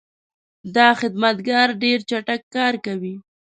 دا خدمتګر ډېر چټک کار کوي.